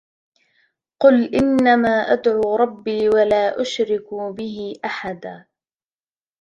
قُل إِنَّما أَدعو رَبّي وَلا أُشرِكُ بِهِ أَحَدًا